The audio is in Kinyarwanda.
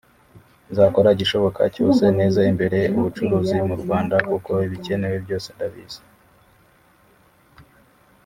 nzakora igishoboka cyose nteze imbere ubucuruzi mu Rwanda kuko ibikenewe byose ndabizi